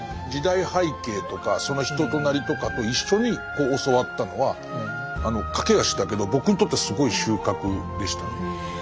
時代背景とかその人となりとかと一緒に教わったのは駆け足だけど僕にとってはすごい収穫でしたね。